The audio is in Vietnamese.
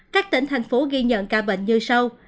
các tỉnh thành phố ghi nhận ca bệnh như sau